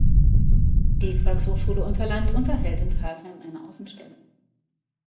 Die Volkshochschule Unterland unterhält in Talheim eine Außenstelle.